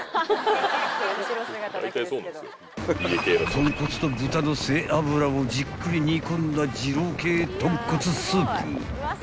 ［豚骨と豚の背脂をじっくり煮込んだ二郎系豚骨スープ］